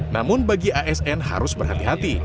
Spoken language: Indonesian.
namun bagi asn harus berhati hati